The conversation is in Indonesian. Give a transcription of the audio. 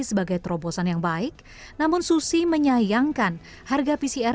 sebagai terobosan yang baik namun susi menyayangkan harga pcr